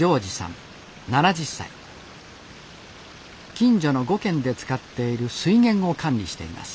近所の５軒で使っている水源を管理しています